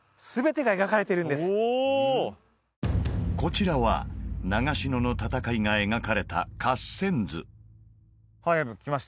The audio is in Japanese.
こちらは長篠の戦いが描かれた合戦図はい来ました